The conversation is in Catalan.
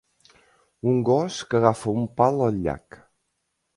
Un gos que agafa un pal al llac.